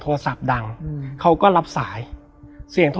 แล้วสักครั้งหนึ่งเขารู้สึกอึดอัดที่หน้าอก